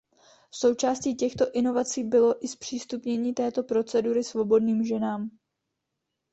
Součástí těchto inovací bylo i zpřístupnění této procedury svobodným ženám.